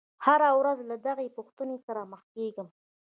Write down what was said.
هره ورځ له دغې پوښتنې سره مخ کېږم.